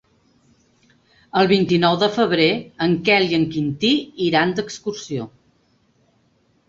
El vint-i-nou de febrer en Quel i en Quintí iran d'excursió.